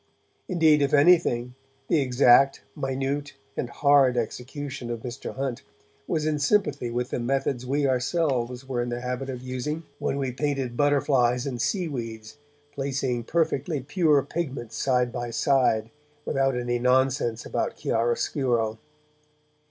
Indeed, if anything, the exact, minute and hard execution of Mr. Hunt was in sympathy with the methods we ourselves were in the habit of using when we painted butterflies and seaweeds, placing perfectly pure pigments side by side, without any nonsense about chiaroscuro.